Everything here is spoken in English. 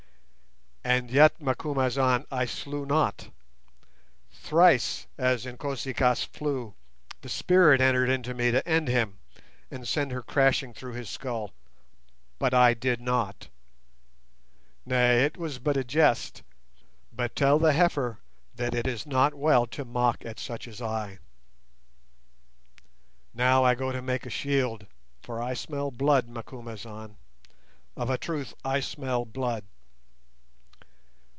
"And yet, Macumazahn, I slew not. Thrice as Inkosi kaas flew the spirit entered into me to end him, and send her crashing through his skull; but I did not. Nay, it was but a jest; but tell the 'heifer' that it is not well to mock at such as I. Now I go to make a shield, for I smell blood, Macumazahn—of a truth I smell blood.